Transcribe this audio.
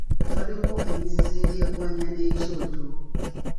Waliwo emizizo egyekwanya n'ekyoto.